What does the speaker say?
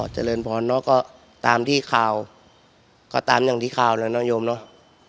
เจริญพรเนอะก็ตามที่ข่าวก็ตามอย่างที่ข่าวแล้วนโยมเนอะ